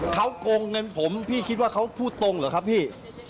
เขาโกงเงินผมพี่คิดว่าเขาพูดตรงเหรอครับพี่